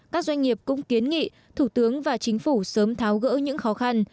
các doanh nghiệp cũng kiến nghị thủ tướng và chính phủ sớm tháo gỡ những khó khăn